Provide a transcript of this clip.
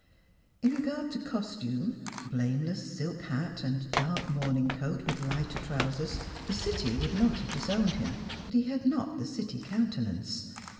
In regard to costume blameless silk hat, and dark morning coat with lighter trousers the City would not have disowned him, but he had not the City countenance.